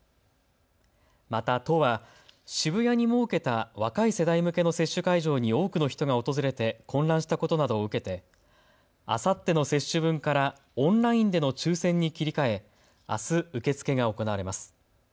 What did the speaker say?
また、都は渋谷に設けた若い世代向けの接種会場に多くの人が訪れて混乱したことなどを受けてあさっての接種分からオンラインでの抽せんに切り替えあす、受け付けが行われます。